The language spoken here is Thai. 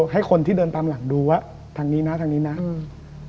ให้คนที่เดินตามหลังดูว่าทางนี้นะทางนี้นะอืม